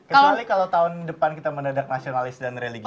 kecuali kalo tahun depan kita mendadak nasionalis dan religius